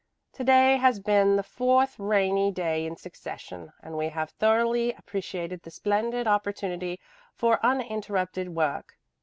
To day has been the fourth rainy day in succession and we have thoroughly appreciated the splendid opportunity for uninterrupted work.